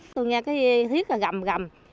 tôi nghe cái thiết là gầm gầm